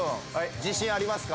自信ありますか？